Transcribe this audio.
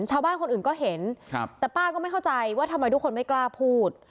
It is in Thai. ชาวบ้านคนอื่นก็เห็นแต่ป้าก็ไม่เข้าใจว่าทำไมทุกคนไม่กล้าพูด